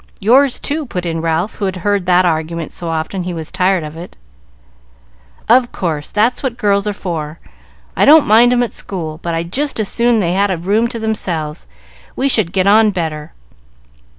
"Yours, too," put in Ralph, who had heard that argument so often he was tired of it. "Of course; that's what girls are for. I don't mind 'em at school, but I'd just as soon they had a room to themselves. We should get on better."